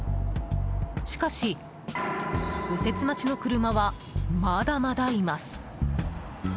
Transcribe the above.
しかし、右折待ちの車はまだまだいます。